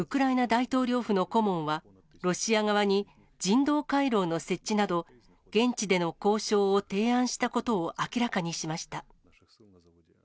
大統領府の顧問は、ロシア側に、人道回廊の設置など、現地での交渉を提案したことを明らかにしました。